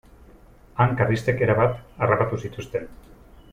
Han karlistek erabat harrapatu zituzten.